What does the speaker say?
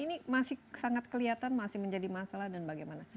ini masih sangat kelihatan masih menjadi masalah dan bagaimana